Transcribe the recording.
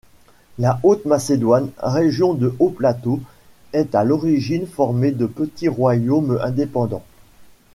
La Haute-Macédoine, région de hauts plateaux, est à l'origine formée de petits royaumes indépendants.